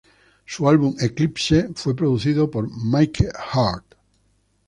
Su álbum "Eclipse" fue producido por Mickey Hart.